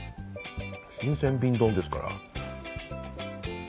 新鮮瓶ドンですから。